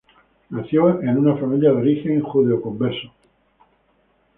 Nació en un familia de origen judeoconverso.